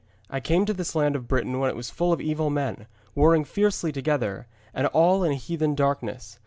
I came to this land of Britain when it was full of evil men, warring fiercely together, and all in heathen darkness.